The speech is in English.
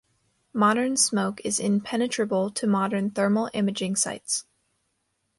Modern smoke is impenetrable to modern thermal imaging sights.